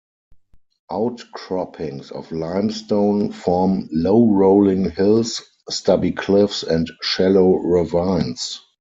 Outcroppings of limestone form low rolling hills, stubby cliffs, and shallow ravines.